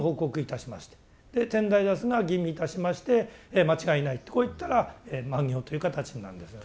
で天台座主が吟味いたしまして間違いないとこう言ったら満行という形になるんです。